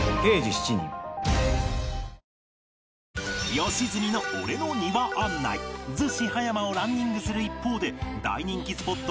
良純の「俺の庭案内」逗子葉山をランニングする一方で大人気スポット